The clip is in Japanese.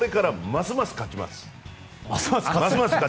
ますます勝ちます。